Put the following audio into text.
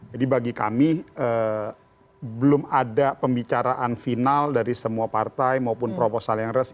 jadi bagi kami belum ada pembicaraan final dari semua partai maupun proposal yang res